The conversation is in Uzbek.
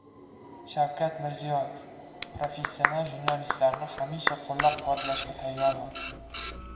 Sh.Mirziyoev: "Professional jurnalistlarni hamisha qo‘llab-quvvatlashga tayyorman"